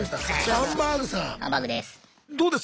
ハンバーグです。